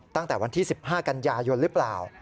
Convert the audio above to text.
ตั้งแต่วันที่๑๕กันยายนหรือเปล่า